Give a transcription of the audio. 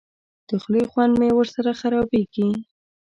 د خولې خوند مې ورسره خرابېږي.